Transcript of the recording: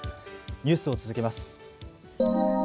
ニュースを続けます。